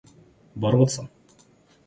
бороться